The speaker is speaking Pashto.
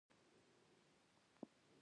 آیا رقابت کول ګران دي؟